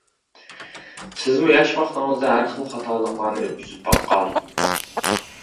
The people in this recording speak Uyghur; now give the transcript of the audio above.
سىزمۇ ياش ۋاقتىڭىزدا ھەر خىل خاتالىقلارنى ئۆتكۈزۈپ باققان.